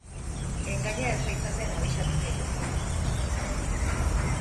Engaina ez zaitzaten abisatzen zaituztet.